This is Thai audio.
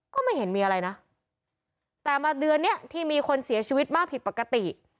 ก็ไม่เห็นมีอะไรนะแต่มาเดือนเนี้ยที่มีคนเสียชีวิตมากผิดปกติ